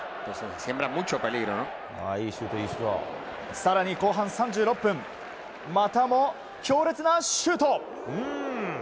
更に、後半３６分またも強烈なシュート。